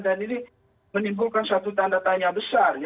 dan ini menimbulkan satu tanda tanya besar